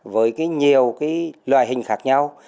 với cái nhiều cái loại hình khác nhau